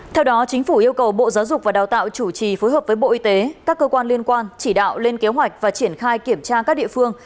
theo đó chính phủ yêu cầu bộ giáo dục và đào tạo chủ trì phối hợp với bộ y tế các cơ quan liên quan chỉ đạo lên kế hoạch và triển khai kiểm tra các địa phương